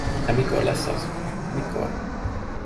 De mikor lesz az, mikor?